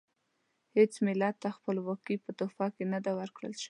هیڅ ملت ته خپلواکي په تحفه کې نه ده ورکړل شوې.